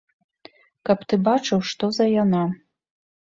Каб ты бачыў, што за яна!